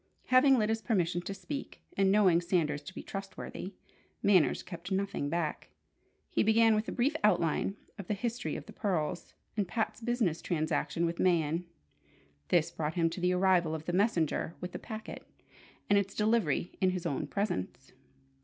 Having Lyda's permission to speak, and knowing Sanders to be trustworthy, Manners kept nothing back. He began with a brief outline of the history of the pearls, and Pat's business transaction with Mayen. This brought him to the arrival of the messenger with the packet, and its delivery in his own presence.